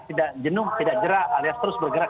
tidak jenuh tidak jerah alias terus bergerak